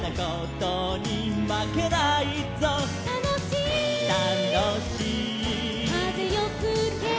「たのしい」「たのしい」「かぜよふけ」